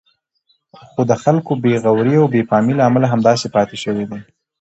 خو د خلکو بې غورئ او بې پامۍ له امله همداسې پاتې شوی دی.